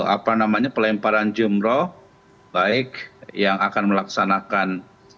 apa namanya pelemparan jumroh baik yang akan melaksanakan